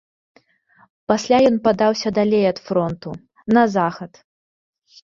Пасля ён падаўся далей ад фронту, на захад.